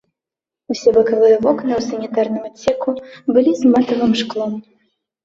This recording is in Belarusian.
Усе бакавыя вокны ў санітарным адсеку былі з матавым шклом.